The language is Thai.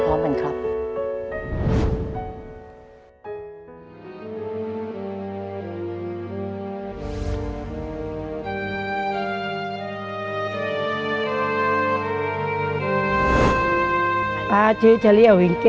บิดวีทัศน์แผ่งของครัวที่ประภาษีรวบตรี